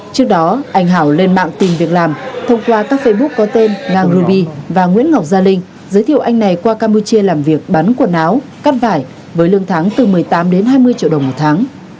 trước đó anh hảo lên mạng tìm việc làm thông qua các facebook có tên nagubi và nguyễn ngọc gia linh giới thiệu anh này qua campuchia làm việc bán quần áo cắt vải với lương tháng từ một mươi tám đến hai mươi triệu đồng một tháng